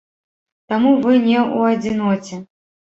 Таму вы не ў адзіноце.